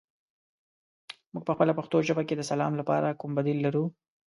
موږ پخپله پښتو ژبه کې د سلام لپاره کوم بدیل لرو؟